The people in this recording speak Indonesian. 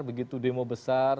begitu demo besar